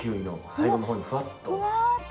最後の方にふわっと。